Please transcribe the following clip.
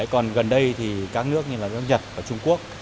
còn gần đây thì các nước như là nước nhật và trung quốc